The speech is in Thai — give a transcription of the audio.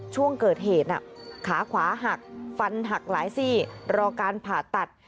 ช่วงเกิดเหตุขาขวาหักฟันหักหลายซี่รอการผ่าตัด